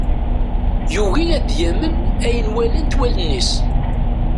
Yugi ad yamen ayen walant wallen-is.